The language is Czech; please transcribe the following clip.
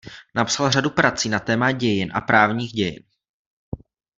Napsal řadu prací na téma dějin a právních dějin.